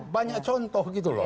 banyak contoh gitu loh